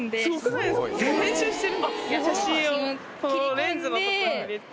このレンズのとこに入れて。